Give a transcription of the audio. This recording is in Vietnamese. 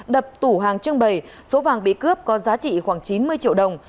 đập tủ hàng trưng bày số vàng bị cướp có giá trị khoảng chín mươi triệu đồng